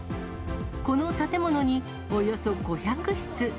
この建物に、およそ５００室。